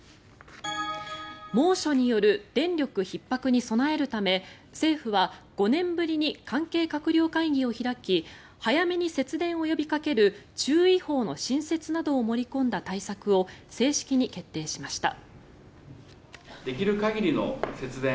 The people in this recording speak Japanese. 猛暑による電力ひっ迫に備えるため政府は５年ぶりに関係閣僚会議を開き早めに節電を呼びかける注意報の新設などを盛り込んだ対策を正式に決定しました。